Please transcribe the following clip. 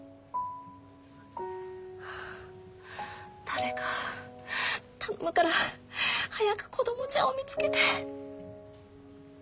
誰か頼むから早く子どもちゃんを見つけて。